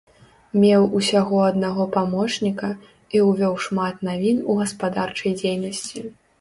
Меў усяго аднаго памочніка і увёў шмат навін у гаспадарчай дзейнасці.